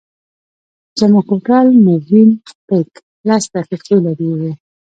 زموږ هوټل مووېن پېک لس دقیقې لرې و.